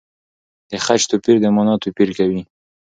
د خج توپیر د مانا توپیر کوي.